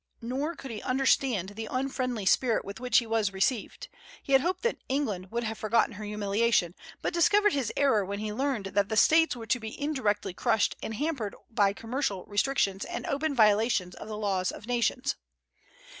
Nor could he understand the unfriendly spirit with which he was received. He had hoped that England would have forgotten her humiliation, but discovered his error when he learned that the States were to be indirectly crushed and hampered by commercial restrictions and open violations of the law of nations.